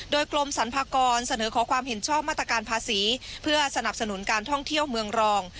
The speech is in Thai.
โดยกรมสรรพากรเสนอขอความเห็นชอบมาตรการภาษีเพื่อสนับสนุนการท่องเที่ยวเมืองรอง